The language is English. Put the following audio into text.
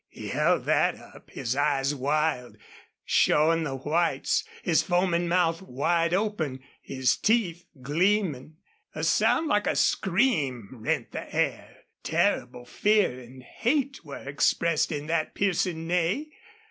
He held that up, his eyes wild, showing the whites, his foaming mouth wide open, his teeth gleaming. A sound like a scream rent the air. Terrible fear and hate were expressed in that piercing neigh.